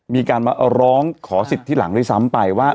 มีการมาร้องขอสิทธิ์ที่หลังด้วยซ้ำไปว่า